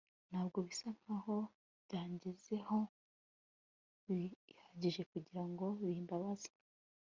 Ntabwo bisa nkaho byangezeho bihagije kugirango bimbabaza